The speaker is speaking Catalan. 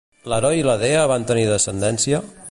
L'heroi i la dea van tenir descendència?